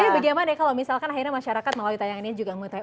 bagaimana kalau misalkan akhirnya masyarakat melalui tayangan ini juga mau tanya